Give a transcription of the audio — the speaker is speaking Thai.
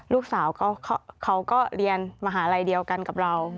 ลูกสาวเขาก็เรียนมหาลัยเดียวกันกับเรา